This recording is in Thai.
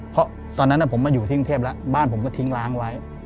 เพราะตอนนั้นผมมาอยู่ที่กรุงเทพแล้วบ้านผมก็ทิ้งล้างไว้